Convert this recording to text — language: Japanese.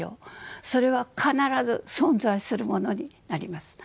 それは必ず存在するものになります。